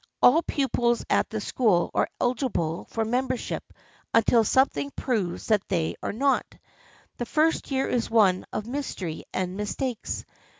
All pupils at the school are eligible for membership, until some thing proves that they are not. The first year is one of mystery and mistakes.